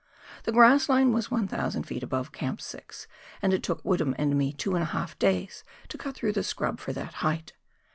The grass line was 1,000 ft. above Camp 6, and it took Woodham and me two and a half days to cut through the scrub for that height.